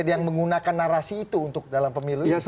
yang menggunakan narasi itu untuk dalam pemilu